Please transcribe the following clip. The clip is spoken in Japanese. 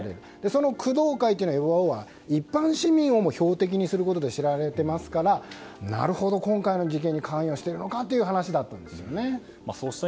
その工藤会というのは要は一般市民をも標的にすることで知られていますからなるほど、今回の事件に関与しているのかという話でした。